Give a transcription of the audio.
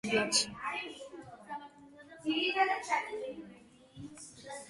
მუზეუმმა დიდი შრომა გასწია მასში არსებულ ნამუშევრებზე დეტალური ინფორმაციის მოსაპოვებლად.